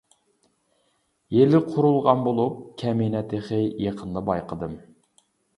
يىلى قۇرۇلغان بولۇپ كەمىنە تېخى يېقىندا بايقىدىم.